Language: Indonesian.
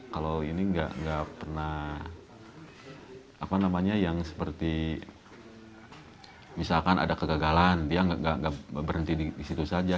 kalau ini nggak pernah apa namanya yang seperti misalkan ada kegagalan dia nggak berhenti di situ saja